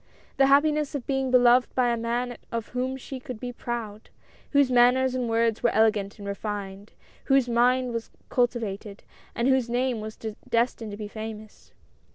The happiness of being beloved by a man of whom she could be proud ; whose manners and words were elegant and refined ; whose mind was culti vated, and whose name was destined to be famous.